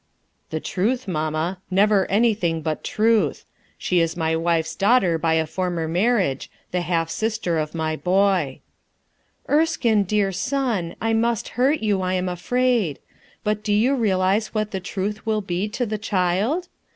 1 ' "The truth, mamma; never anything but truth She is my wife's daughter by a former marriage, the half sister of my boy." "Erskine, dear son, I must hurt you, I am RENUNCIATION 373 afraid; hut do you realize what the truth "ii be to the child